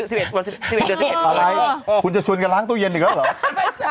อะไรคุณจะชวนพวกเขาล้างตู้เย็นอยู่หรอ